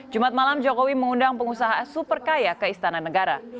jumat malam jokowi mengundang pengusaha super kaya ke istana negara